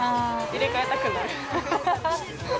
入れ替えたくなる。